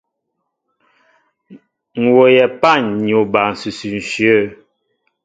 M̀ wooyɛ pân ni oba ǹsʉsʉ ǹshyə̂.